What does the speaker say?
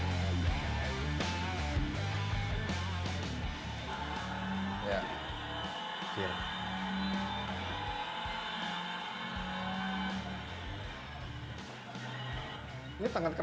tidak perlu mematikan speed limiter